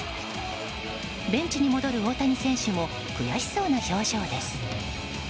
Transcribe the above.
ベンチに戻る大谷選手も悔しそうな表情です。